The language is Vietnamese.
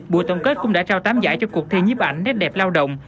bộ tổng kết cũng đã trao tám giải cho cuộc thi nhíp ảnh nét đẹp lao động